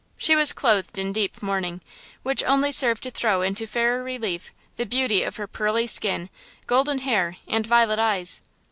She was clothed in deep mourning, which only served to throw into fairer relief the beauty of her pearly skin, golden hair and violet eyes.